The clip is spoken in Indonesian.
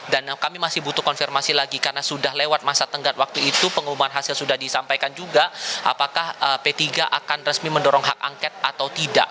dan kami masih butuh konfirmasi lagi karena sudah lewat masa tenggat waktu itu pengumuman hasil sudah disampaikan juga apakah p tiga akan resmi mendorong hak angket atau tidak